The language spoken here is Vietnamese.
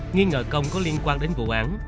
nghi ngờ công có liên quan đến vụ án